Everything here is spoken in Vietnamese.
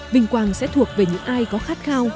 vinh quang sẽ thuộc về những ai có khát khao